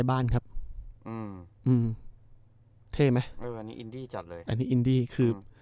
บ้านครับอืมอืมเท่ไหมเมื่อวานนี้อินดี้จัดเลยอันนี้อินดี้คือ